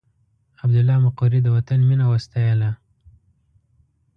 عبدالله مقري د وطن مینه وستایله.